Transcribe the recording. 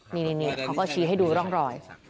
นี่เขาก็ชี้ให้ดูร่องรอย